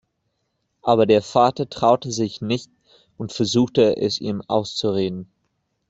Aber der Vater traute sich nicht und versuchte, es ihm auszureden.